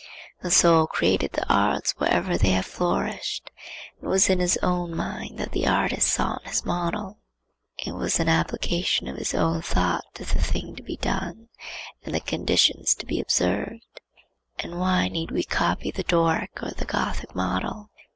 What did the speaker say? The soul created the arts wherever they have flourished. It was in his own mind that the artist sought his model. It was an application of his own thought to the thing to be done and the conditions to be observed. And why need we copy the Doric or the Gothic model?